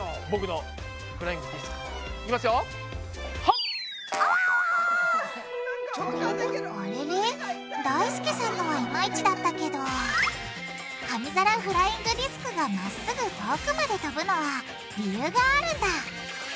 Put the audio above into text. だいすけさんのはイマイチだったけど紙皿フライングディスクがまっすぐ遠くまで飛ぶのは理由があるんだ。